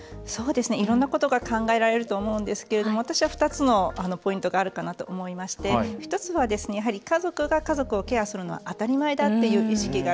いろんなことが考えられると思うんですけれども私は２つのポイントがあるかなと思いまして１つは家族が家族をケアするのは当たり前だっていう意識がある。